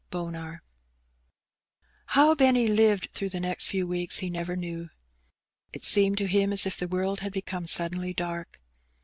OW Benny lived through the next few ""'weeks lie never knew. It seemed to iiim as if the world had become suddenly dark.